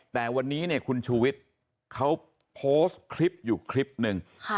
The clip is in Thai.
แต่วันนี้เนี่ยคุณชูวิทย์เขาโพสต์คลิปอยู่คลิปหนึ่ง